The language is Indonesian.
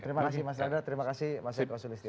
terima kasih mas radha terima kasih mas edwan sulistya